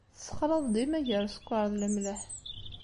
Tessexlaḍ dima gar sskeṛ d lemleḥ.